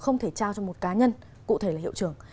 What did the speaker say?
không thể trao cho một cá nhân cụ thể là hiệu trưởng